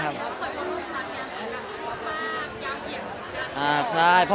เพราะว่าชาตินี้มันก็ชอบมากยาวเหยียบมาก